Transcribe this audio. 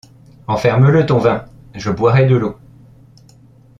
Enferme-le, ton vin ! je boirai de l’eau.